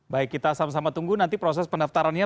baik kita sama sama tunggu nanti proses pendaftarannya